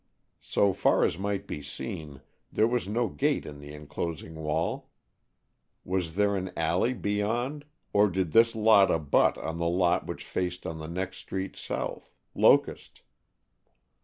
So far as might be seen, there was no gate in the enclosing wall. Was there an alley beyond or did this lot abut on the lot which faced on the next street south, Locust?